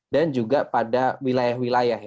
dan juga pada wilayah wilayah